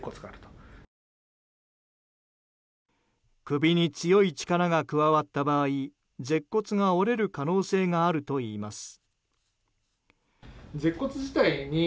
首に強い力が加わった場合舌骨が折れる可能性があるといいます。